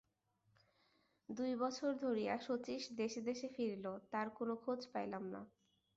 দুই বছর ধরিয়া শচীশ দেশে দেশে ফিরিল, তার কোনো খোঁজ পাইলাম না।